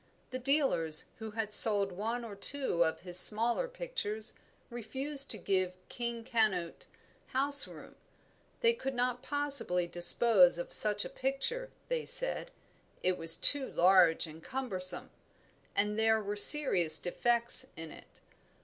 The dealers who had sold one or two of his smaller pictures refused to give "King Canute" house room. They could not possibly dispose of such a picture, they said; it was too large and cumbersome, and there were serious defects in it.